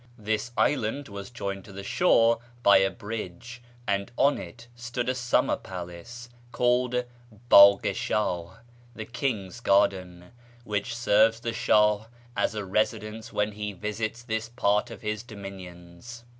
This island was joined to the shore by a bridge, and on it stood a summer palace (called Bd{)h i S]idh, "the King's Garden"), which serves the Shah as a residence when he visits this part of his dominions.